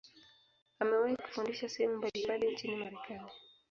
Amewahi kufundisha sehemu mbalimbali nchini Marekani.